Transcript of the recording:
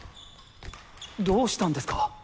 どうしたんですか？